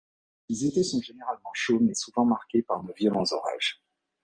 Les étés sont généralement chauds mais souvent marqués par de violents orages.